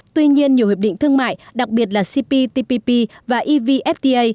tuy nhiên nhiều hiệp định thương mại đặc biệt là cptpp và evfta